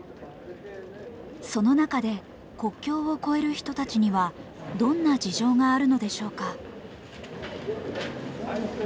その中で国境を越える人たちにはどんな事情があるのでしょうか。